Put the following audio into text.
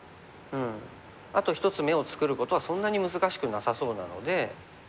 あと１つ眼を作ることはそんなに難しくなさそうなので。